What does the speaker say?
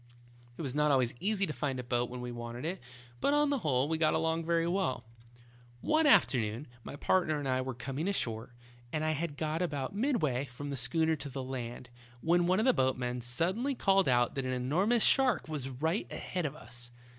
It was not always easy to find a boat when we wanted it, but on the whole, we got along very well. "One afternoon my partner and I were coming ashore, and had got about midway from the schooner to the land, when one of the boatmen suddenly called out that an enormous shark was right ahead of us.